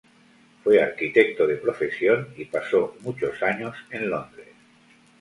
Fue arquitecto de profesión y pasó muchos años en Londres.